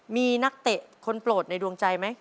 มีนักเตะคนโปรดในดวงใจไหม